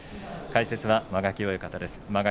解説は間垣親方です。